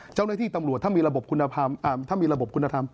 เจ้าหน้าที่ตำรวจถ้ามีระบบคุณธรรม